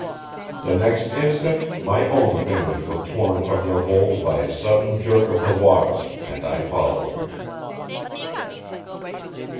The next instant my own fingers were torn from their hold by a sudden jerk of the water, and I followed.